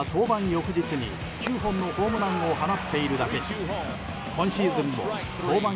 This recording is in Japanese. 翌日に９本のホームランを放っているだけに今シーズンも登板